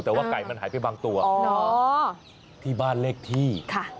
แต่ว่าไก่มันหายไปบางตัวที่บ้านเลขที่